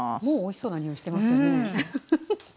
もうおいしそうなにおいしてますよね！